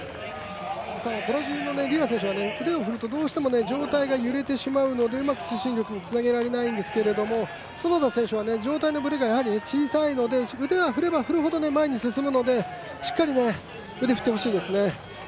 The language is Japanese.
ブラジルのリラ選手は腕を振ると、どうしても上体が揺れてしまうのでうまく推進力につなげられないんですけど園田選手は上体のぶれが小さいので腕は振れば振るほど前に進むので、しっかり腕を振ってほしいですね。